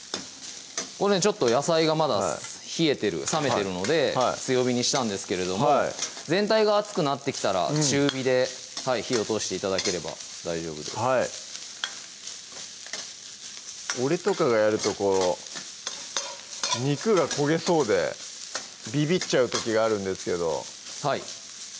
これねちょっと野菜がまだ冷めてるので強火にしたんですけれども全体が熱くなってきたら中火で火を通して頂ければ大丈夫です俺とかがやると肉が焦げそうでビビっちゃう時があるんですけどはい